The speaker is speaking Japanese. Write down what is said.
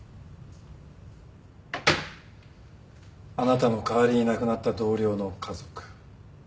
あなたの代わりに亡くなった同僚の家族。